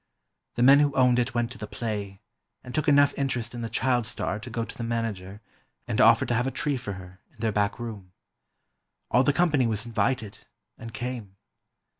The men who owned it went to the play, and took enough interest in the "child star" to go to the manager and offer to have a tree for her, in their back room. All the company was invited, and came.